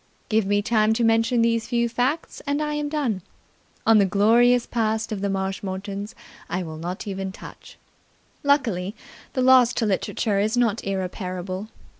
Give me time to mention these few facts and I am done. On the glorious past of the Marshmoretons I will not even touch. Luckily, the loss to literature is not irreparable.